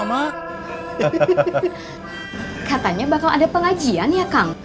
hahaha katanya bakal ada pengaji ya